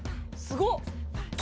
すごっ！